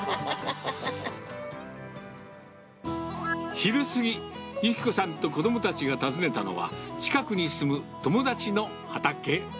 昼過ぎ、由希子さんと子どもたちが訪ねたのは、近くに住む友達の畑。